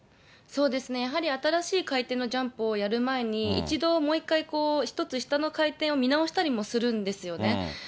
そうですね、やはり新しい回転のジャンプをやる前に、一度もう一回、１つ下の回転を見直したりもするんですよね。